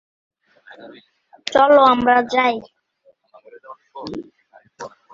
দৈর্ঘ্য এবং প্রস্থে সমান।